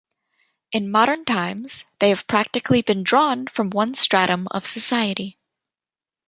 In modern times they have practically been drawn from one stratum of society.